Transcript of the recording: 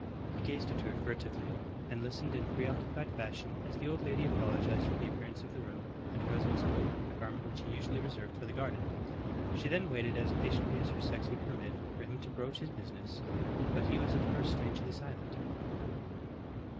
He gazed at her furtively, and listened in a preoccupied fashion as the old lady apologized for the appearance of the room, and her husband's coat, a garment which he usually reserved for the garden. She then waited as patiently as her sex would permit, for him to broach his business, but he was at first strangely silent.